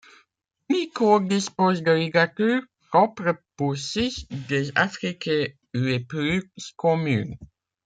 Unicode dispose de ligatures propres pour six des affriquées les plus communes.